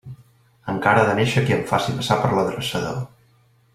Encara ha de néixer qui em faci passar per l'adreçador.